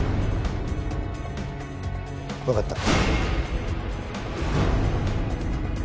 わかった。